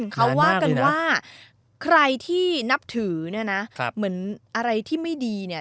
เขาว่ากันว่าใครที่นับถือเนี่ยนะเหมือนอะไรที่ไม่ดีเนี่ย